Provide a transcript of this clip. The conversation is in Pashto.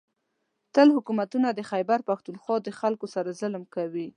. تل حکومتونه د خېبر پښتونخوا د خلکو سره ظلم کوي